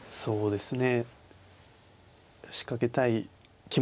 そうですね